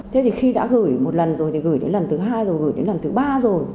thế thì khi đã gửi một lần rồi thì gửi đến lần thứ hai rồi gửi đến lần thứ ba rồi